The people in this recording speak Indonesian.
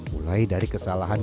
mulai dari kesalahan